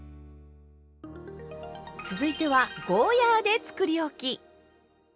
続いてはゴーヤーでつくりおき。